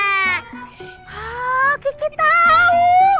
hah kiki tau